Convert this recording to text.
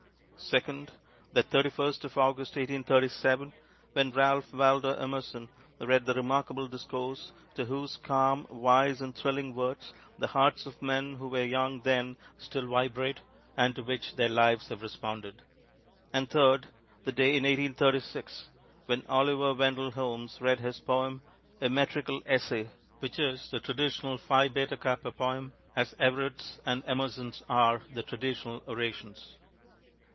Second, that 31st of August, 1837, when Ralph Waldo Emerson read the remarkable discourse to whose calm, wise, and thrilling words the hearts of men who were young then still vibrate, and to which their lives have responded; and third, the day in 1836 when Oliver Wendell Holmes read his poem, "A Metrical Essay," which is the traditional Phi Beta Kappa poem, as Everett's and Emerson's are the traditional orations.